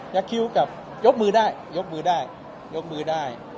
ยักษ์คิ้วกับยกมือได้ยกมือได้